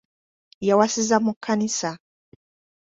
Yawasiza mu Kkanisa.